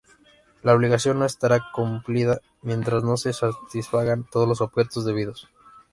La obligación no estará cumplida mientras no se satisfagan todos los objetos debidos.